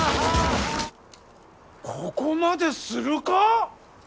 ここまでするか？